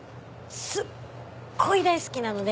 すっごい大好きなので。